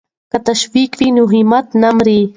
که تشویق وي نو همت نه مري.